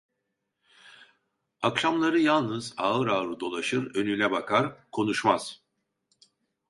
Akşamları yalnız, ağır ağır dolaşır, önüne bakar, konuşmaz.